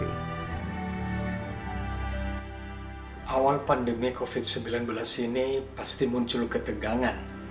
awal pandemi covid sembilan belas ini pasti muncul ketegangan